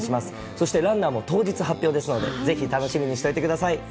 そして、ランナーも当日発表ですので、ぜひ楽しみにしといてください。